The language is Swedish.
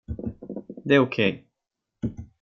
Det är okej.